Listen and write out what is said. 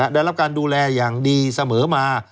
ได้รับการดูแลอย่างดีเสมอมา